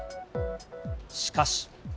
しかし。